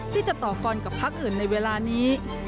ที่จะต่อกรกับพักอื่นในเวลานี้